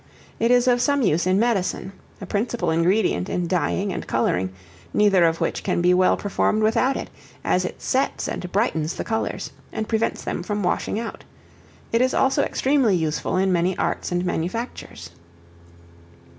It is of some use in medicine; a principal ingredient in dyeing and coloring, neither of which can be well performed without it, as it sets and brightens the colors, and prevents them from washing out. It is also extremely useful in many arts and manufactures.